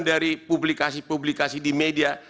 dari publikasi publikasi di media